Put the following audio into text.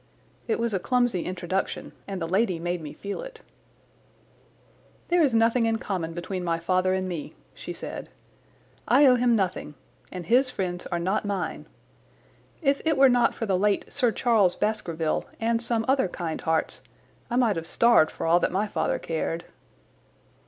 It was a clumsy introduction, and the lady made me feel it. "There is nothing in common between my father and me," she said. "I owe him nothing, and his friends are not mine. If it were not for the late Sir Charles Baskerville and some other kind hearts I might have starved for all that my father cared."